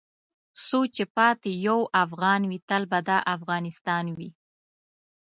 څو چې پاتې یو افغان وې تل به دا افغانستان وې .